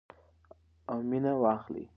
او مینه واخلئ.